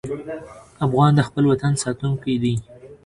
افغان د خپل وطن ساتونکی دی.